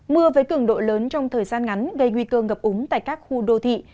mưa với cường độ lớn trong thời gian ngắn gây nguy cơ ngập úng tại các khu đô thị